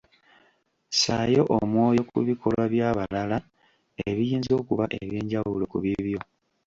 Ssaayo omwoyo ku bikolwa by'abalala ebiyinza okuba eby'enjawulo ku bibyo .